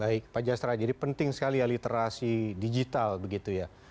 baik pak jasra jadi penting sekali ya literasi digital begitu ya